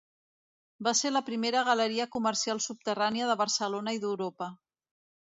Va ser la primera galeria comercial subterrània de Barcelona i d'Europa.